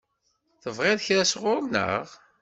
Tebɣiḍ kra sɣur-neɣ?